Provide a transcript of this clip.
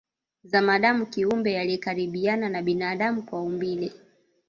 Zamadamu kiumbe aliyekaribiana na binadamu kwa umbile